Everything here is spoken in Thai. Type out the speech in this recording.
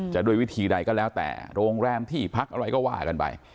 ด้วยวิธีใดก็แล้วแต่โรงแรมที่พักอะไรก็ว่ากันไป